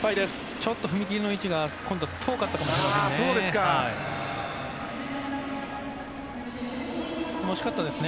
ちょっと踏み切りの位置が今度は遠かったかもしれないですね。